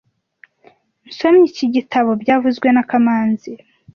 Nsomye iki gitabo byavuzwe na kamanzi